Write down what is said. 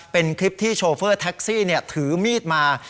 เป็นคลิปที่โชเฟอร์แท็กซี่ถือมีดมา